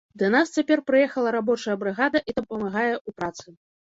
Да нас цяпер прыехала рабочая брыгада і дапамагае ў працы.